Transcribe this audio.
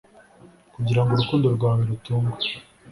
kugira ngo urukundo rwawe rutungwe.